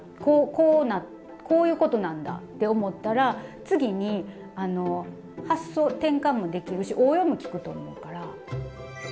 こうこういうことなんだって思ったら次に発想転換もできるし応用も利くと思うから。